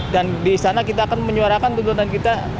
dan di sana kita akan menyuarakan tuntutan kita